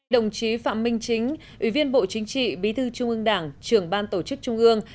đồng chí phạm minh chính ủy viên bộ chính trị bí thư trung ương đảng trưởng ban tổ chức trung ương